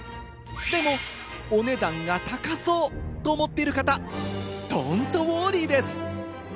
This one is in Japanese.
でも、お値段が高そうと思っている方、ドントウォーリーです。